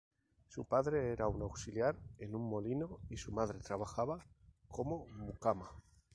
Su padre era un auxiliar en un molino y su madre trabajaba como mucama.